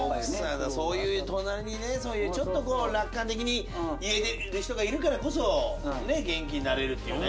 そういう隣にねそういうちょっとこう楽観的に言える人がいるからこそ元気になれるっていうね。